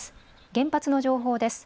原発の情報です。